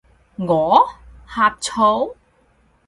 我？呷醋？